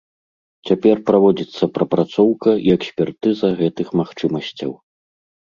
Цяпер праводзіцца прапрацоўка і экспертыза гэтых магчымасцяў.